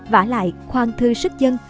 và lại khoan thư sức dân